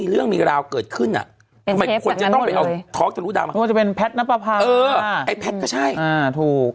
เออไอ้แพ็ดก็ใช่อ่าถูก